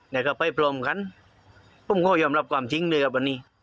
และกับให้ภูมิกันมันผ่วยออกมาไปจริงด้วยกับวันนี้